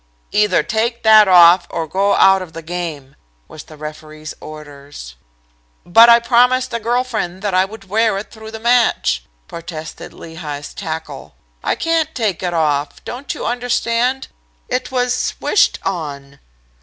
"'Either take that off or go out of the game,' was the referee's orders. "'But I promised a girl friend that I would wear it through the match,' protested Lehigh's tackle. 'I can't take it off. Don't you understand it was wished on!'